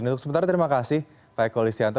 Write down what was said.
untuk sementara terima kasih pak eko lisyanto